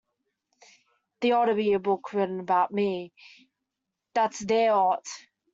There ought to be a book written about me, that there ought!